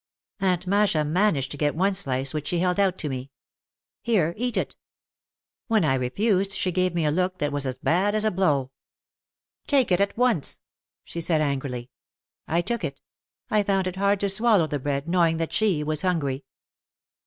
Aunt Masha managed to get one slice which she held out to me. "Here, eat it." When I refused she gave me a look that was as bad as a blow. "Take it at once," she said angrily. I took it. I found it hard to swallow the bread, knowing that she was hungry.